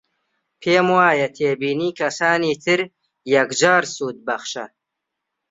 پێم وایە تێبینی کەسانی تر یەکجار سوودبەخشە